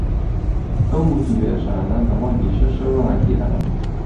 ئەو وتووێژانە لە مانگی شەشەوە ڕاگیراون